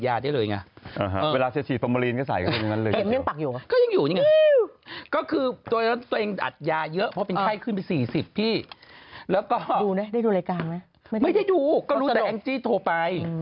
ไม่ได้ดูก็รู้แต่อัลกิจโทรไป